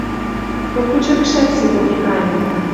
Хоть почеркшӓт седок иканьы